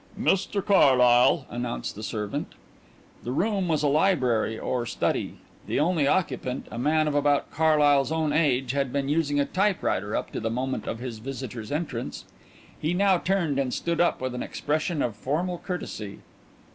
"Mr Carlyle," announced the servant. The room was a library or study. The only occupant, a man of about Carlyle's own age, had been using a typewriter up to the moment of his visitor's entrance. He now turned and stood up with an expression of formal courtesy.